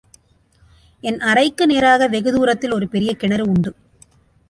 என் அறைக்கு நேராக வெகுதூரத்தில் ஒரு பெரிய கிணறு உண்டு.